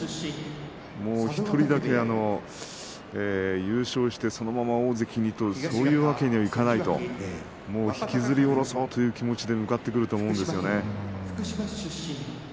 １人だけに優勝してそのまま大関にとそういうわけにはいかないと引きずりおろそうと向かっていくと思うんですね。